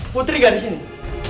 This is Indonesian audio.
putri gak disini